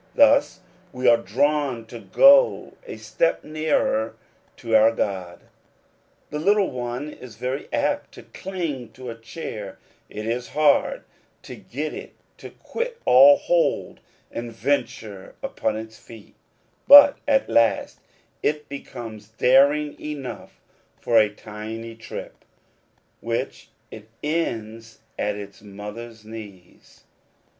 Thus we are drawn to go a step nearer to our God. The little one is very apt to cling to a chair, it is hard to get it to quit all hold, and venture upon its feet ; but at last it becomes daring enough for a tiny trip, which it ends at its mother's knees.